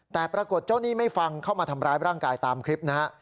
แต่ปรากฏเจ้าหนี้ไม่ฟังเข้ามาทำร้ายร่างกายตามคลิปนะฮะ